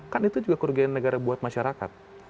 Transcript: kan itu juga kerugian negara buat masyarakat